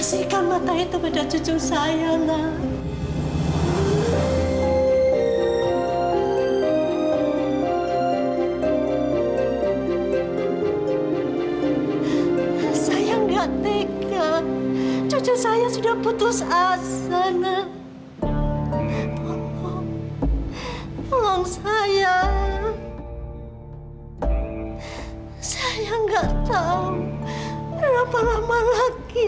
sampai jumpa di video selanjutnya